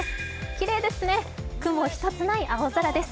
きれいですね、雲一つない青空です